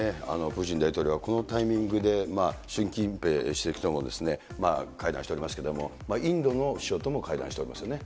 プーチン大統領はこのタイミングで習近平主席とも会談しておりますけれども、インドの首相とも会談しておりますね。